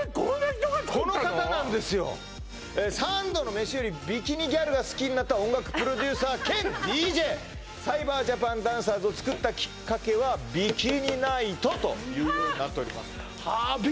この方なんですよ三度の飯よりビキニギャルが好きになった音楽プロデューサー兼ＤＪ「サイバージャパンダンサーズを作ったきっかけはビキニナイト」というようになっております